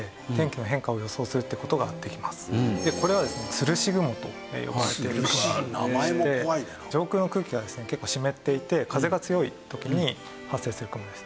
吊るし雲と呼ばれているものでして上空の空気がですね結構湿っていて風が強い時に発生する雲です。